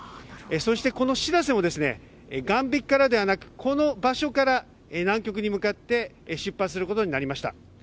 そしてこの「しらせ」を岸壁からではなくこの場所から南極に向かって出発することになりました。